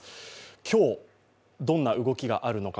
今日、どんな動きがあるのか。